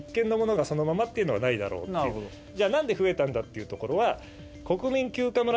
じゃあ何で増えたんだっていうところは。